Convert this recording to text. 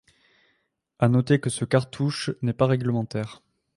À noter que ce cartouche n'est pas réglementaire.